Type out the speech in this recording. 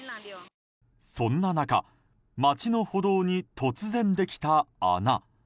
そんな中、街の歩道に突然できた穴。